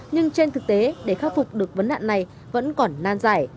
nhưng trên thực tế để khắc phục được vấn nạn này vẫn còn nan giải